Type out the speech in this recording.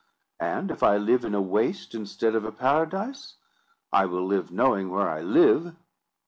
And if I live in a waste instead of a paradise, I will live knowing where I live."